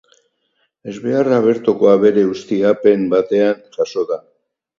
Ezbeharra bertoko abere-ustiapen batean jazo da.